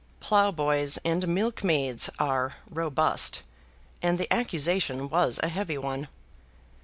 Ploughboys and milkmaids are robust, and the accusation was a heavy one.